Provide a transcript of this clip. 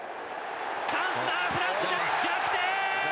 チャンスだ、フランス、逆転！